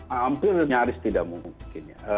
hampir nyaris tidak mungkin